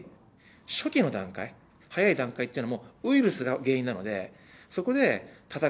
初期の段階で、早い段階というのも、ウイルスが原因なので、そこでたたく。